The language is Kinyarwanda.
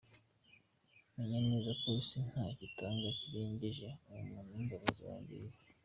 Menye neza ko isi ntacyo itanga kirengeje ubuntu n'imbabazi wangiriye,.